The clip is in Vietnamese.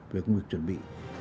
về công việc chuẩn bị